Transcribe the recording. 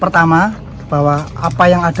pertama bahwa apa yang ada di sini